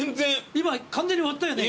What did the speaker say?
今完全に割ったよね。